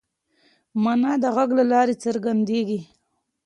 مانا د غږ له لارې څرګنديږي.